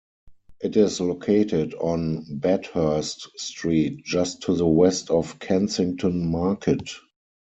It is located on Bathurst Street just to the west of Kensington Market.